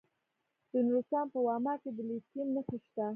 د نورستان په واما کې د لیتیم نښې شته.